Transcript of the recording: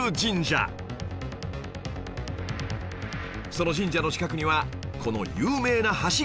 その神社の近くにはこの有名な橋があります